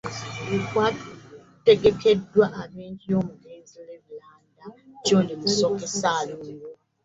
Kwategekeddwa ab'enju y'omugenzi Leviranda John Musoke Ssaalongo